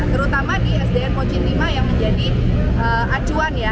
terutama di sdn pondok cina i yang menjadi acuan ya